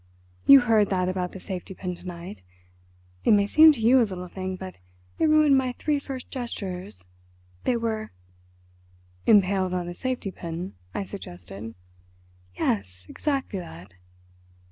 You heard that about the safety pin to night. It may seem to you a little thing, but it ruined my three first gestures. They were—" "Impaled on a safety pin," I suggested. "Yes, exactly that.